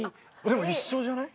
一緒じゃない？